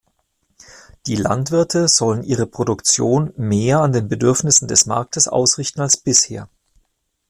Die Landwirte sollen ihre Produktion mehr an den Bedürfnissen des Marktes ausrichten als bisher.